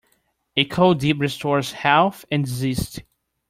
A cold dip restores health and zest.